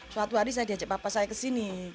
suatu hari saya diajak bapak saya ke sini